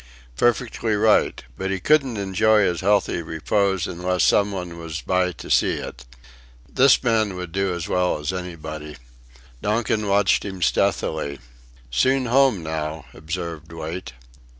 Perfectly right but he couldn't enjoy his healthful repose unless some one was by to see it. This man would do as well as anybody. Donkin watched him stealthily: "Soon home now," observed Wait.